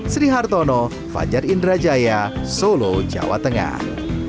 sri hartono fajar indrajaya solo jawa tengah